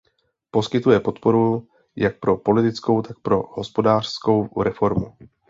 Poskytuje podporu jak pro politickou, tak pro hospodářskou reformu.